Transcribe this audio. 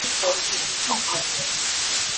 侧台塔小斜方截半二十面体欠二侧台塔。